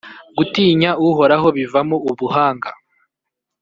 gutinya Uhoraho bivamo ubuhanga.